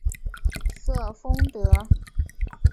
瑟丰德。